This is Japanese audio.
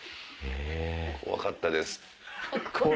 怖かったです？